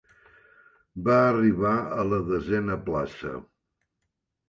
Va arribar a la desena plaça.